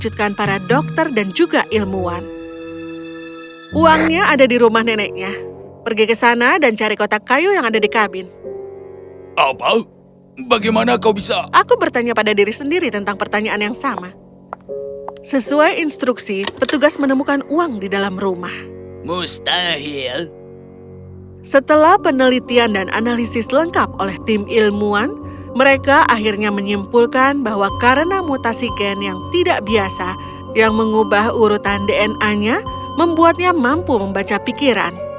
dan dna nya membuatnya mampu membaca pikiran